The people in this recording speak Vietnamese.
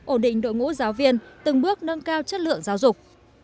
ổn định đội ngũ giáo viên từng bước nâng cao chất lượng giáo dục